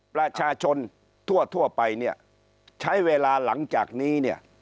ประชาชนทั่วไปเนี่ยใช้เวลาหลังจากนี้เนี่ย